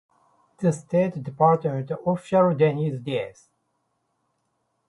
The State Department official denies this.